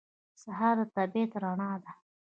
سهار د طبیعت رڼا ده.